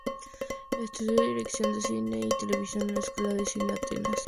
Estudió dirección de cine y televisión en la Escuela de Cine de Atenas.